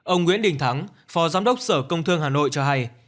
ông nguyễn đình thắng phó giám đốc sở công thương hà nội cho hay